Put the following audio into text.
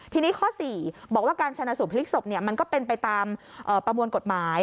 ทีนี้ข้อ๔บอกว่าการชนะสูตรพลิกศพมันก็เป็นไปตามประมวลกฎหมาย